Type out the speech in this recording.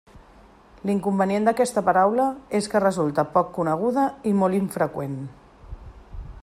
L'inconvenient d'aquesta paraula és que resulta poc coneguda i molt infreqüent.